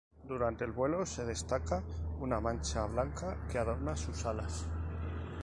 Durante el vuelo se destaca una mancha blanca que adornan sus alas.